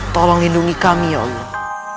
tolong lindungi kami ya allah